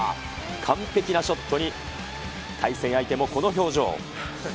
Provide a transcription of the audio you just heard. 完璧なショットに、対戦相手もこの表情。